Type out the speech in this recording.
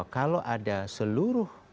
kalau ada seluruh